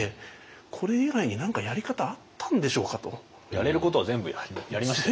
やれることは全部やりましたよね。